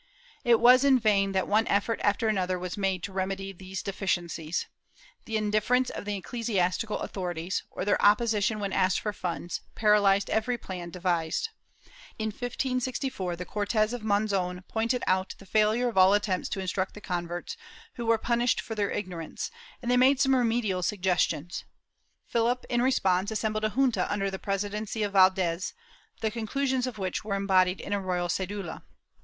It was in vain that one effort after another was made to remedy these deficiencies. The indifference of the ecclesiastical authori ties, or their opposition when asked for funds, paralyzed every plan devised. In 1564, the Cortes of Monzon pointed out the failure of all attempts to instruct the converts, who were punished for their ignorance, and they made some remedial suggestions. Philip in response assembled a junta under the presidency of Vald^s, the conclusions of which were embodied in a royal c^dula.